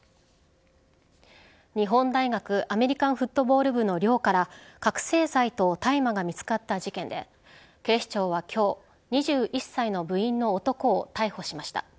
日本大学アメリカンフットボール部の寮から覚醒剤と大麻が見つかった事件で警視庁は今日２１歳の部員の男を逮捕しました。